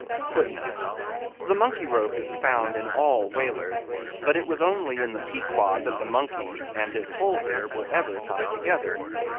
* *The monkey rope is found in all whalers; but it was only in the Pequod that the monkey and his holder were ever tied together.